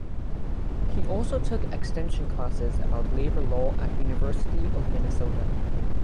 He also took extension classes about labor law at University of Minnesota.